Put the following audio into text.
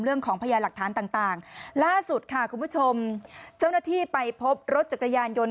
เรื่องของพญาหลักฐานต่างล่าสุดค่ะคุณผู้ชมเจ้าหน้าที่ไปพบรถจักรยานยนต์